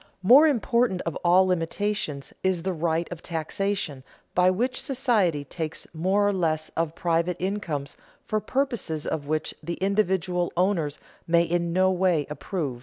Most important of all limitations is the right of taxation, by which society takes more or less of private incomes for purposes of which the individual owners may in no way approve.